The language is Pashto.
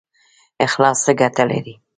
اخلاص څه ګټه لري؟